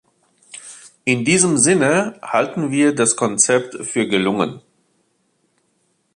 In diesem Sinne halten wir das Konzept für gelungen.